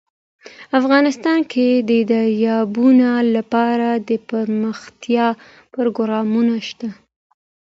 افغانستان کې د دریابونه لپاره دپرمختیا پروګرامونه شته.